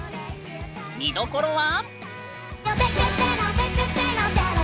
見どころは。